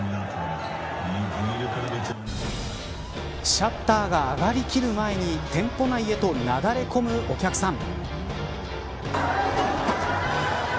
シャッターが上がりきる前に店舗内へと流れ込むお客さん。